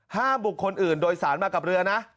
ห้ามบุคคลอื่นโดยสารมากับเรือนะ